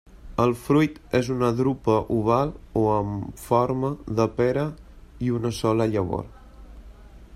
El fruit és una drupa oval o amb forma de pera i una sola llavor.